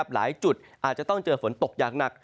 หลายจุดอาจจะต้องเจอฝนตกอย่างหนัก